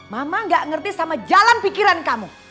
mama gak ngerti sama jalan pikiran kamu